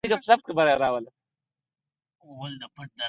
تا هغه په بل نامه او بله څېره پېژانده.